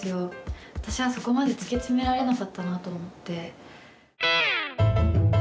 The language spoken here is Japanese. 私はそこまで突き詰められなかったなと思って。